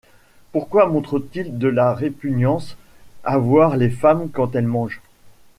Pourquoi montre-t-il de la répugnance à voir les femmes quand elles mangent?